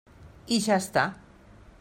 I ja està.